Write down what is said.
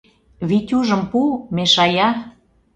— Витюжым пу, мешая.